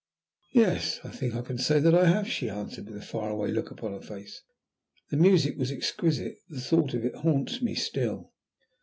"Yes, I think I can say that I have," she answered, with a far away look upon her face. "The music was exquisite. The thought of it haunts me still."